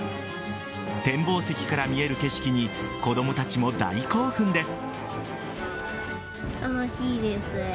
展望席から見える景色に子供たちも大興奮です。